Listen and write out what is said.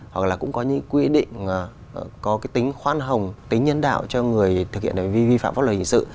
hoặc là cũng có những quy định có cái tính khoan hồng tính nhân đạo cho người thực hiện hành vi vi phạm pháp luật hình sự